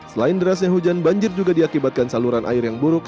selain derasnya hujan banjir juga diakibatkan saluran air yang buruk